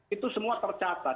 itu semua tercatat